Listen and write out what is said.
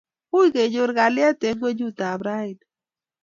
Ui kenyor kalyet eng' ng'onyut ap raini